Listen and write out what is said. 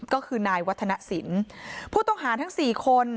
ก็คือนายวัฒนศิลป์ผู้ต้องหาทั้งสี่คน